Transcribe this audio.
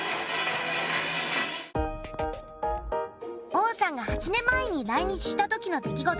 王さんが８年前に来日した時の出来事でした。